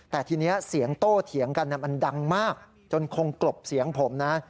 แต่ทีนี้เสียงโต้เถียงกันมันดังมากจนคงกลบเสียงผมนะ